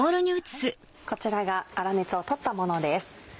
こちらが粗熱を取ったものです。